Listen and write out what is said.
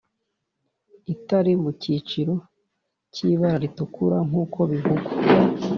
Itari mu cyiciro cy’ibara ritukura nk’uko bivugwa